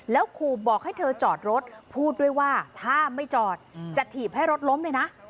แล้วขู่บอกให้เธอจอดรถพูดด้วยว่าถ้าไม่จอดจะถีบให้รถล้มเลยนะ